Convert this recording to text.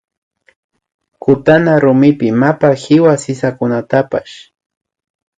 Kutana rumipi mapa kiwa sisakunatapsh